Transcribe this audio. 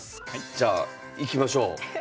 じゃあいきましょう。